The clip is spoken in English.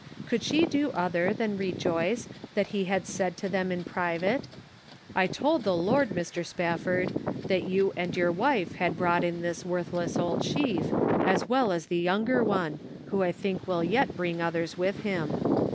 Could she do other than rejoice that he had said to them in private: " I told the Lord, Mr. Spafford, that you and your wife had brought in this worthless old sheaf, as well as the younger one (who I think will yet bring others with him).